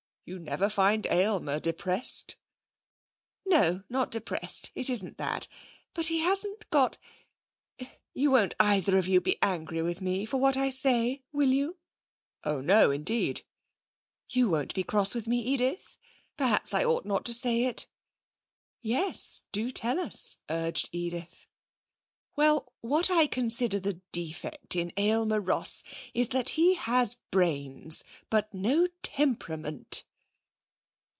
You never find Aylmer depressed.' 'No, not depressed. It isn't that. But he hasn't got You won't either of you be angry with me for what I say, will you?' 'Oh no, indeed.' 'You won't be cross with me, Edith? Perhaps I ought not to say it.' 'Yes, do tell us,' urged Edith. 'Well, what I consider is the defect in Aylmer Ross is that he has brains, but no temperament.'